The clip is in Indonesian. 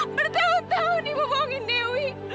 bertahun tahun ibu bangun dewi